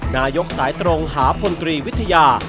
นายกสายตรงหาพลตรีวิทยา